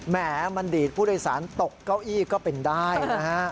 แหมมันดีดผู้โดยสารตกเก้าอี้ก็เป็นได้นะฮะ